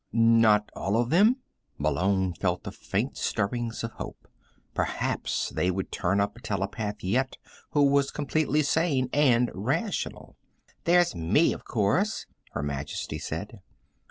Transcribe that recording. "Not all of them?" Malone felt the faint stirrings of hope. Perhaps they would turn up a telepath yet who was completely sane and rational. "There's me, of course," Her Majesty said.